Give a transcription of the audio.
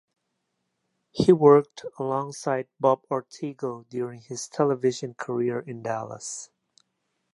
He worked alongside Bob Ortegel during his television career in Dallas.